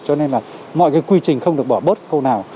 cho nên là mọi cái quy trình không được bỏ bớt khâu nào